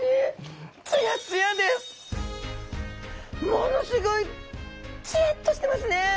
ものすごいツヤっとしてますね！